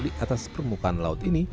di atas permukaan laut ini